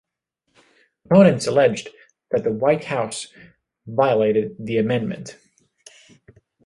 Opponents alleged that the White House violated the amendment.